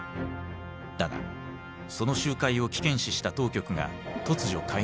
だがその集会を危険視した当局が突如介入。